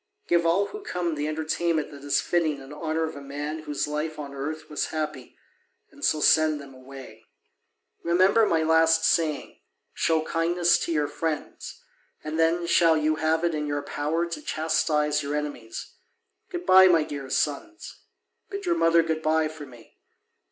Give all who come the entertainment that is fitting in honour of a man whose life on earth was happy, and so send them away. Remember my last saying: show kindness to your friends, and then shall you have it in your power to chastise your enemies. Good bye, my dear sons, bid your mother good bye for me.